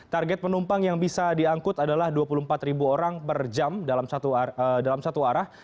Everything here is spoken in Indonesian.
target penumpang yang bisa diangkut adalah dua puluh empat orang per jam dalam satu arah